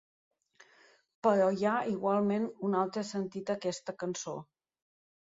Però hi ha igualment un altre sentit a aquesta cançó.